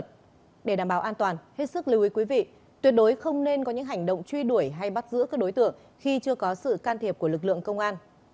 hết sức lưu ý quý vị tuyệt đối không nên có những hành động truy đuổi hay bắt giữ các đối tượng khi chưa có sự can thiệp của lực lượng công an